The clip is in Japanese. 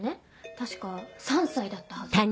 確か３歳だったはず。